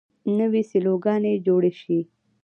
نوې سیلوګانې جوړې شي.